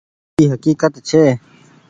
اي هڪيڪت ڇي۔